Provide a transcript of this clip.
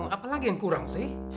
apa lagi yang kurang sih